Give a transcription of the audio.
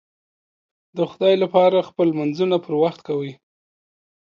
د خدای لپاره خپل لمونځونه پر وخت کوئ